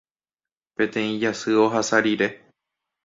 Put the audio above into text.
Peteĩ jasy ohasa rire.